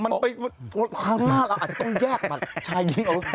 ข้างล่างอาจจะต้องแยกบัตรชายผู้หญิง